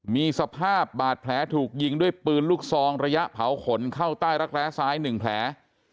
มีสภาพบาดแผลถูกยิงด้วยปืนลูกซองระยะเผาขนเข้าใต้รักแร้ซ้าย๑แผล